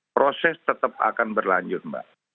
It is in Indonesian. proses tetap akan berlanjut mbak